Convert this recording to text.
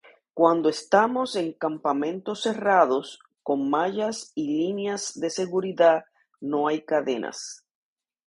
Cuando estamos en campamentos cerrados, con mallas y líneas de seguridad, no hay cadenas.